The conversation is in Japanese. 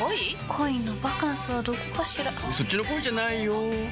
恋のバカンスはどこかしらそっちの恋じゃないよ